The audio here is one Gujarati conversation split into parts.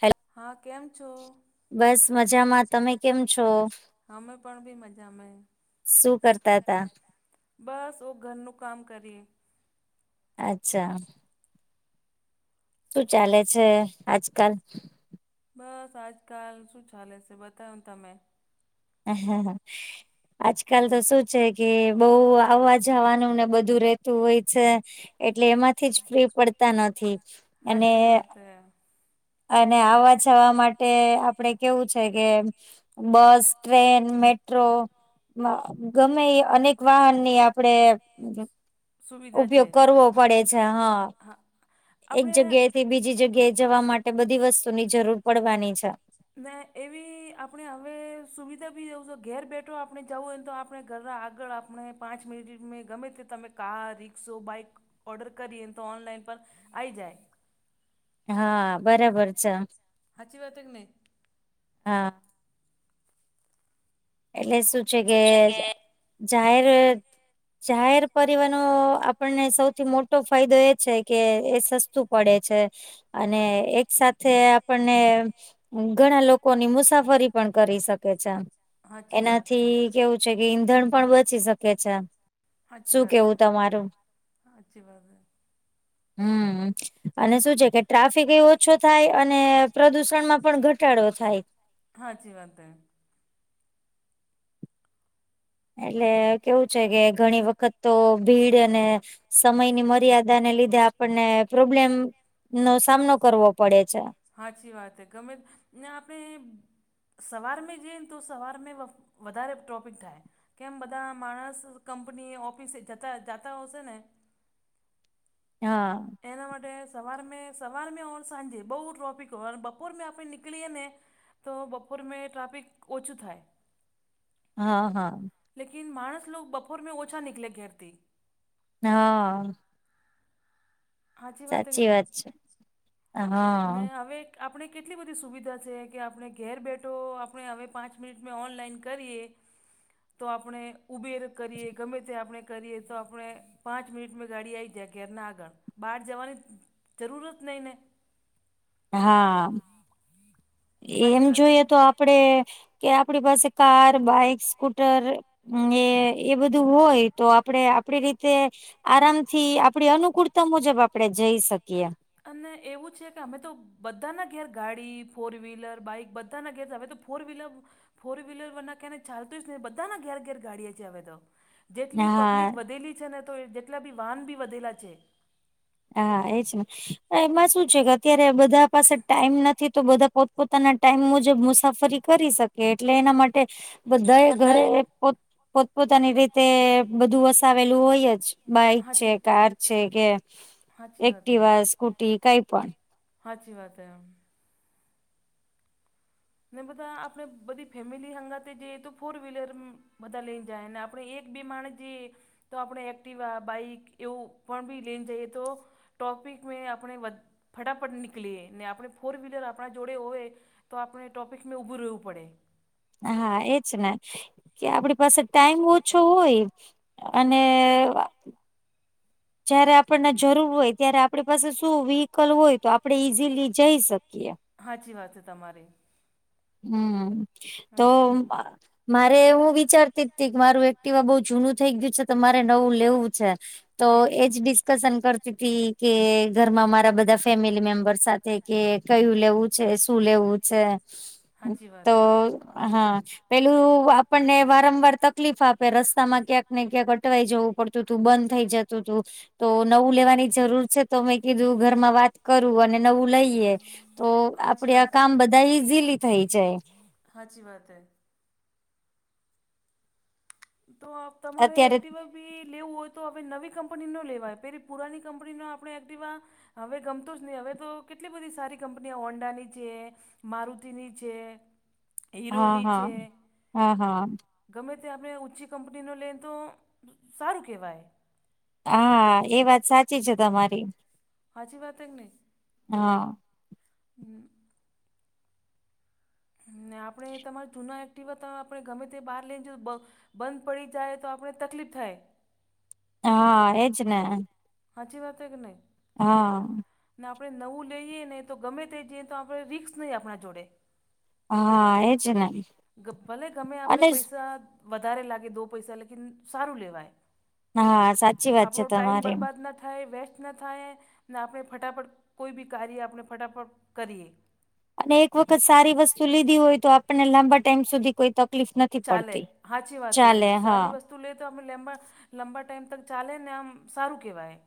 હેલો હા કેમ છો બસ મજામાં તમે કેમ છો અમે પણ બી મજામાં. શું કરતા હતા. બસ ઓ ઘરનું કામ કરીએ અચ્છા શું ચાલે છે આજકાલ બસ આજકાલ શું ચાલે છે બતાવ તમે હા આજકાલ તો શું છે કે બહ આવા જવાનું ને બધું રહેતું હોય છે એટલે એમાંથી જ ફ્રી પડતા નથી અને સાચી વાત હ અને આવવા જવા માટે આપડે કેવું છે કે બસ ટ્રેન મેટ્રો ગમે અનેક વાહન ની આપડે સુવિધા છે. ઉપયોગ કરવો પડે છે હા. એક આપણે જગ્યાએ થી બીજી જગ્યાએ જવા માટે બધી વસ્તુની જરૂર પડવાની છે ને એવી આપણે હવે સુવિધા બી દેવ છે ઘેર બેઠો આપણે જવું હોય ને તો આપણે ઘરના આગળ આપણે પાંચ મિનિટ મે ગમે તે તમે કાર રિક્ષો બાઈક ઓર્ડર કરીએને તો ઓનલાઈન પર આવી જાય હા બરાબર છે સાચી વાત હે કે નહીં હા એટલે શું છે કે જાહેર જાહેર પરીવનો આપણને સૌથી મોટો ફાયદો એ છે કે એ સસ તુ પડે છે અને એક સાથે આપને ઘણા લોકોની મુસાફરી પણ કરી શકે છે. સાચી વાત હે. એનાથી કેવું છે કે ઈંધણ પણ બચી શકે છે. હાછી શું વાત હે કેવું તમારું? હાછી વાત હે. હમ અને શું. જે કે ટ્રાફિક એ ઓછો થાય અને પ્રદુષણ માં પણ ઘટાડો થાય. હા જી વાંત હે. એટલે કેવું છે કે ઘણી વખત તો ભીડ અને. સમયની મર્યાદાને લીધે આપણને પ્રોબ્લેમ નો સામનો કરવો પડે છે. સાચી વાત હે ગમે ને આપણે. સવાર મે જે તોું સવાર મે વધારે ટ્રોપિક થાય. કેમ બધા માણસ કંપની ઓફિસે જતા જતા હશે ને. હા. એના માટે સવાર મેં સવાર મે ઓ સાંજે બહુ ટ્રોફિક હોય અને બપોર મે આપણે નીકળીએ ને. તો બપોરમાં ટ્રાફિક ઓછું થાય. હા હા. લકન માણસ લો બપોર મે ઓછા નિકલે ઘેર થી. હા. સાચી વાત કે નહી ને હા હવે. આપણે કેટલી બધી સુવિધા છે કે આપણે ઘેર બેઠો આપણે હવે પાંચ મિનિટ મેં ઓનલાઈન કરીએ. તો આપણે ઉબેર કરીએ ગમે તે આપણે કરીએ તો આપણે. પાંચ મિટ મે ગાડી આઈ જાય ઘરના આગળ. બહાર જવાની જરૂર જ નહીં ને. હા. સાચી એમ વાત હે જોઈએ તો ને આપડે કે આપડી પાસે કાર બાઈક સ્કૂટર એ એ બધું હોય તો આપડે આપડી રીતે. આરામ થી આપડી આપ અનુકૂળતા મુજબ આપડે જઈ શકીએ. અને એવું છે કે અમે તો. બધાના ઘેર ગાડી ફોર વ્હીલર બાઈક બધાના ઘેર હવે તો ફોર વ્હીલર ફોર વ્હીલર વર ના કને ચાલતું જ નહી બધાના ઘેર ઘેર ગાડીિયા છે હવે તો. જેટલી હા પબ્લિક વધેલી છે ને તો જેટલા બી વાહન બી વધેલા છે. હા એજ ને એમાં શું છે કે અત્યારે બધા પાસે ટાઈમ નથી તો બધા પોતપોતાના ટાઈમ મુજબ મુસાફરી કરી શકે એટલે એના માટે બધા ઘરે પો પોતપોતાની રીતે બધું વસાવેલું હોય જ. બાઈક છે હાચી કાર છે કે હાચી વાત હે એક્ટિવા સ્કૂટી કઈ પણ. હાચી વાત એમ. ને બધા આપડે બધી ફેમિલી હંગા જઈએ તો ફોર વ્લર બધા લઈને જાય અને આપણે એક બે માણેસ જે. તો આપણે એક્ટિવા બાઈક એવું પણ બી લઈને જઈએ તો. ટોપિક મે આપણે ફટાફટ નિકલે અનેને આપણે ફોર વ્લર આપણા જોડે હોવે તો આપણે. ટોપિકમાં ઉઊભું રહેવું પડે. હા એજ ને કે આપણી પાસે ટાઈમ ઓછો હોય અને [inaudible] જયારે આપણને જરૂર હોય ત્યારે આપણી પાસે શું વ્હકલ હોય તો આપડણે ઈઝીલી જઈ શકીએ. હાચી વાત છે તમારી. હમ તો સાચી વાત મારે હું વિચારતી જ ત કે મારું એક્ટિવા બહુ જૂનું થઇ ગયું. તમારે નવું લેવું છે તો એ એજ ડિસ્કશન કરતી હતી કે. ઘરમાં મારા બધા ફેમિલી મેમ્બર સાથે કે કયું લેવું છે શું લેવું છે. સાચી તો વાત હે હા પેલુ આપણને વારંવાર તકલીફ આપે રસ્તામાં ક્યાંક ને ક્યાંક અટવાઈ જવું પડત તું બંધ થઈ જતું તુ તો નવું લેવાની જરૂર છે, તો મેં કીધું ઘરમાં વાત કરું અને નવુ લઈએ. તો સાચી આપડે આ કામ બધા ઈઝીલી થઈ જાય. હાચી વાત હૈ તો તમારે અત્યારે એક્ટિવ બી લેવું હોય તો હવે નવી કંપની નો લેવાય પેલી પુરાની કંપની આપણે એક્ટવા હવે ગમતું જ નહી હવે તો કેટલી બધી સારી કંપની ઓન્ડાની છે. મારુતિની છે. હા હીરોની હા છે હા હા ગમે તે ત્યાંર મે ઓછી કંપનીનો લેય તો સારું કેવાય હા એ વાત સાચી છે, તમારી હાચી વાત જ ને હા હમ્મ ને આપણે તમારે જુના એક્ટિવા ત આપણે ગમે તે બહાર લઈને જો બ બંધ પડી જાય તો આપણે તકલીફ થાય. હા એજ ને હાચી વાત જ ન ઈ હા ને આપણે નવું લઈએ નહી તો ગમે તે જઈએ, તો આપણે રિક્સ નહી આપણા જોડે. હા એજ ન ભલે ગમે આપણે પૈસા વધારે લાગે દો પૈસા લેકીન સારું લેવાય. હા સાચી વાત છે આપડો ટાઈમ તમારી બરબાદ ના થાય વેસ્ટ એતના થાય ને આપણે ફટાફટ કોઈભી કાર્ય આપણે ફટાફટ કરીએ. અને એક વખત સારી વસ્તુ લીધી હોય તો આપણને લાંબા ટાઈમ સુધી કોઈ તકલીફ નથી. ચાલે પડતી હાચી વાત એ ચાલે હા સારી વસ્તુ તો લેતો લેમ્બા લાંબા ટાઈમ તક ચાલે ને આમ સારું કહેવાય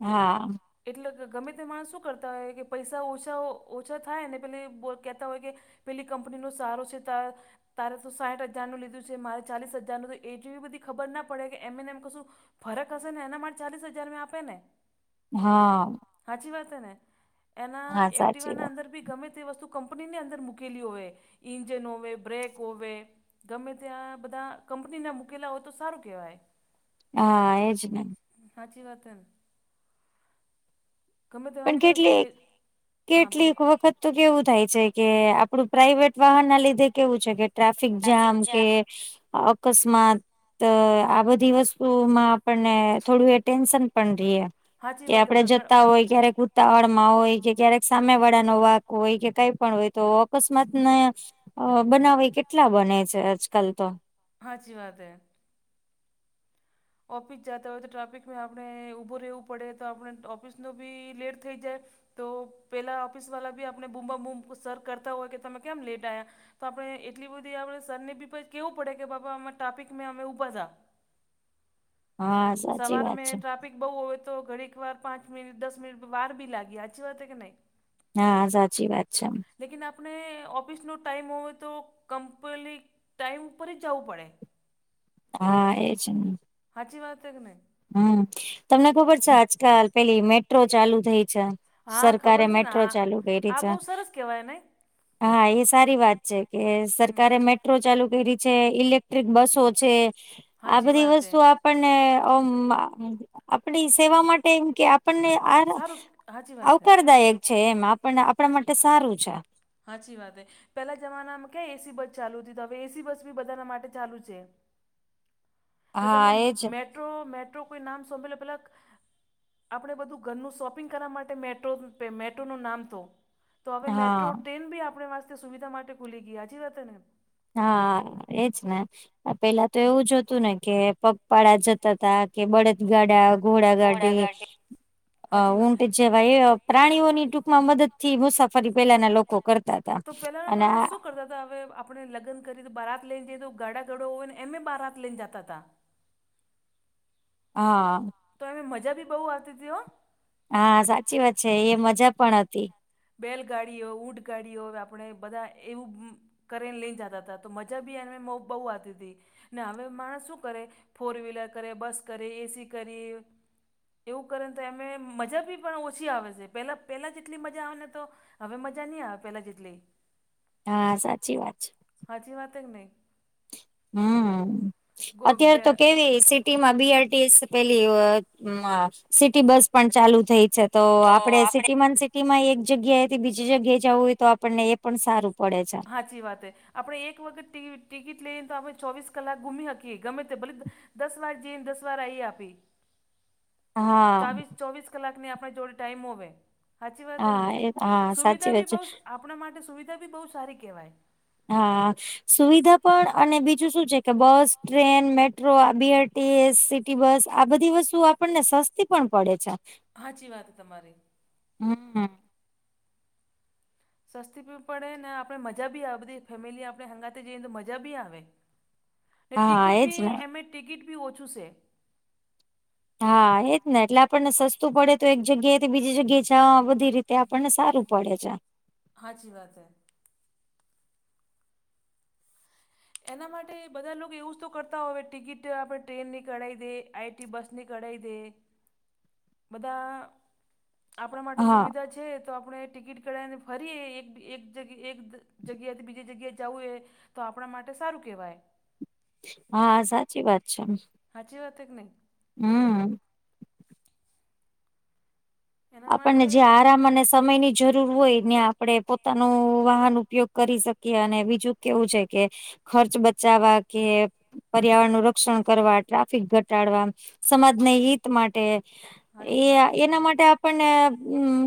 હા એટલે ગમે તે માણસ શું કરતા હોય કે પૈસા ઓછા ઓછા થાય, ને પેલે કહેતા હોય કે પેલી કંપનીનો સારો છે, ત તારે તો સાઈઠ હજારનું લીધું છે, મારે ચાલીસ હજારનુ એ જેવી, બધી ખબર ના પડે કે એમને એમ કશુ ફરક હશે ને એના માટે ચાલીસ હજાર મેં આપે ને હા હાચી વાત ને એના હા એક્ટિવા સાચી ના વાત અંદર વી ગમે તે વસ્તુ કંપનીની અંદર મૂકેલી હોય ઇન્જન હોવે, બ્રેક હોવે. ગમે ત્યાં બધા કંપનીના મુકેલા હોય, તો સારુ કેવાય હા એજ ને હાચી વાત ન ગમે પણ તેમાં કહેશું કેટલેક કે હા બોલો કેટલીક વખત તો કેવું થાય છે કે આપડું પ્રાાઈવેટ વાહનના લીધે કેવું છે, કે ટ્રાફિક જામ કે અપ અકસ્માત આ બધી વસ્તુમાં આપણને થોડું એ ટેન્શન પણ રીય અમે હાચી કે વાત આપણે બગડ જતા હોય, ક્યારેક ઉતાવળમાં હોય કે ક્યારેક સામે વાળાનો વાક હોય કે કઈ પણ હોય, તો અકસ્માતને અ બનાવે કેટલા બને છે, આજકાલ તો હાચી વાત હૈ ઓફિસ જાતા હોય તો ટ્રાફિકમાં આપણે ઊભું રહેવું પડે તો આપણે ઓફિસનો બી લેટ થઈ જાય. તો પેલા ઓફિસ વાલા ભી આપણે બુમાબુમ સર કરતા હોય, કે તમે કેમ લેટ આયા તો આપણે એટલી બધી આપડે સર ને બી કેવું પડે કે બાબા ટ્રાફિક મે અમે ઊભા થા હા સાચી સવાર વાત મે ટ્રાફિક છે ટ્રાફિક બહુ હોવે તો ઘડી એક વાર પાંચ મિનિટ દસ મિનિટ વાર બી લાગી હાચી વાત કે નહીં હા સાચી વાત છે. લેકિન આપને ઓફિસનો ટાઈમ હોય તો કંપલીક ટાઈમ પર જ જવું પડે હા એજ ને હાચી વાત જ કે નઈ હમ! તમને ખબર છે આજકાલ પેલી મેટ્રો ચાલુ થઈ છે? હા સરકારે ખબર છે ને મેટ્રો ચાલુ હા કરી આ છે. બહુ સરસ કહેવાય ને હા એ સારી વાત છે કે સરકારે મે મેટ્રો ચાલુ કરી છે ઇલેક્ટ્રિક બસો છે આ સાચી બધી વાત એ વસ્તુ આપન ને આપણી સેવા માટે એમ કે આપણને આ સારું સાચી વાત હે આવકારદાયક છે એમ આપણને આપણા માટે સારું છે. સાચી વાત એ પેલા જમાનામાં ક્યા એસી બસ ચાલુ હતી તો હવે એસી બસ બી બધાના માટે ચાલુ છે. [inaudible] તો હા હમે એજ મેટ્રો મેટ્રો કોઈ નામ સાભળેલું પહેલાક આપણે બધું ઘરનું શોપિંગ કરવા માટે મેટ્રો પ મેટ્રોનું નામ તો તો હવે મેટ્રો હા ટ્રેન બી આપણી વાસ્તે સુવિધા માટે ખુલી ગઈ હાચી વાત ને હા એજ ને પેલા તો એવું જ હતું ને કે પગપાળા જતા હતા કે બળદગાડા. ઘોડા ગાડી અ હાચી વાત ઊંટ જેવા એ પ્રાણીઓની ટૂંકમાં મદદથી મુસાફરી પેલાના લોકો કરતા હતા. તો પેલાના અને આ માણસ શું કરતા હતા હવે આપણે લગ્ન કરી તો બારાત લઈને જઈએ તો ઘોડો ગાડા હોય ને એમે બારાત લઈને જતા હતા. હા તો એમે મજા બી બોવ આવતી હતી હો હા સાચી વાત છે એ મજા પણ હતી રેલગાડીઓ ઊંટ ગાડીઓ આપણે બધા એવું કરીને લઈને જતા હતા તો મજા બી એને બોવ આવતી હતી ને હવે માણસ શું કરે, ફોર વ્હીલર કરે, બસ કરે એસી કરી એવું કરે ને તો એમે મજા બી પણ ઓછી આવે છે પેલા પેલા જેટલી મજા આવે ને તો હવે મજા નહી આવે પેલા જેટલી હા સાચી વાત છે. સાચી વાત જ ને હમ ગો અત્યારે બે તો કેવી એસી સીટીમાં બી આર ટી એસ પેલી સિટી બસ પણ ચાલુ થઈ છે. તો આપડે સિટીમાં સિ ટીમાં એક જગ્યાએથી બીજી જગ્યાએ જવું હોય તો આપણને એ પણ સારું પડે છે. સાચી વાત આપણે એક વખત ટિકિટ લઈ તો આપણે ચોવીસ કલાક ગુમી શકીએ ગમે તે ભલે દસ વાર જઈને દસ વાર આઇએ આપ [inaudible] ચોવીસ ચોવીસ કલાકની આપણે જોડે ટાઈમ હોવે સાચી વાત હા કેવાય એ ને હા સાચી સુવિધા વાત બી છે. બહુ આપણા માટે સુવિધા બી બહુ સારી કહેવાય હા સુવિધા પણ અને બીજું શું છે કે bus train metro metro BRTS city bus આ બધી વસ્તુ આપણને સસ્તી પણ પડે છે. સાચી વાત તમારી હમ સસ્તી પણ પડે ને આપણે મજા બી આવે બધી ફૅમિલી આપણે હંગાતે જઈએ તો મજા બી આવે [inaudible] ને હા ટિકિટ એજ બી ને એમે ટિકિટ બી ઓછું છે. હા એજ ને એટલે આપણને સસ્તું પડે તો એક જગ્યાએથી બીજી જગ્યાએ જ ના બધી રીતે આપણને સારું પડે છે. હાચી વાત હે. એના માટે બધા લોકો એવું જ તો કરતા હોય ટિકિટ આપણે ટ્રેનની કઢાવી દે આઈ બસની કડાઈ દે. બધા આપણા માટે હા સુવિધા છે. તો આપણે ટિકિટ કળાવીને ફરીએ એક એક જગ્યાથી બીજી જગ્યાએ જવું એ તો આપણા માટે સારું કેહેવાય. હા સાચી વાત છે. હાચી વાત હે કે નહી. હમ્મ. એના માટે આપણને જે આપણે આરામ અને સમયની જરૂર હોય ને આપડણે પોતાનું વાહન ઉપયોગ કરી શકીએ અને બીજું કેવું છે કે ખર્ચ બચાવા કે પર્યાવરણનું રક્ષણ કરવા ટ્રાફિક ઘટાડવા સમાજને હિત માટે એ સાચી વાત છે એના માટે આપણને હમ્મ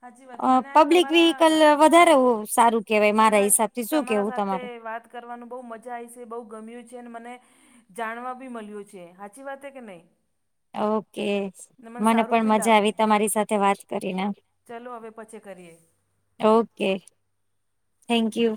સાચી વાત અ મને આજ પબ્લિક વિહિકલ તમારા વધારે સારું કેવાય મને મારા હિસાબથી શું તમારા કેવું સાથે તમારું વાત કરવાનું બહુ મજા આવી છે બહુ ગમ્યું છે મને જાણવા બી મળ્યો છે સાચી વાત કે નહી. ઓકે મને સારું પણ બી મજા લાગવું આવી તમારી સાથે વાત કરીને ચલો હવે પછી કરીએ. Okay thank you